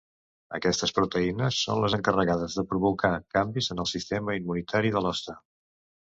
Aquestes proteïnes són les encarregades de provocar canvis en el sistema immunitari de l’hoste.